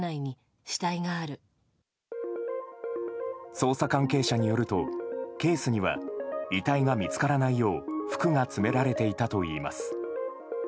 捜査関係者によるとケースには遺体が見つからないよう服が詰められていたといいます。